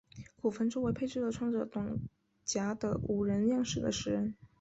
古坟周围配置了穿着短甲的武人样式的石人。